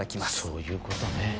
・そういうことね・